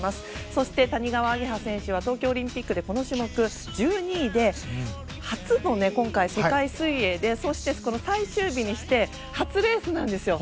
そして、谷川亜華葉は東京オリンピックでこの種目１２位で初の今回、世界水泳でそして、最終日にして初レースなんですよ。